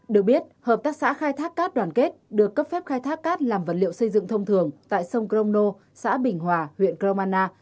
được biết hợp tác xã khai thác cát đoàn kết được cấp phép khai thác cát làm vật liệu xây dựng thông thường tại sông crono xã bình hòa huyện cromana